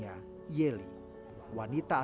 mengantarkan kucing liar di sekitar rumah singgah clo